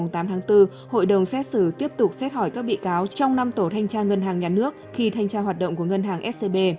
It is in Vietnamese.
ngày tám tháng bốn hội đồng xét xử tiếp tục xét hỏi các bị cáo trong năm tổ thanh tra ngân hàng nhà nước khi thanh tra hoạt động của ngân hàng scb